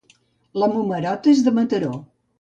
La Momerota és de Mataró.